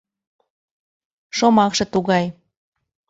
— Шомакше тугай...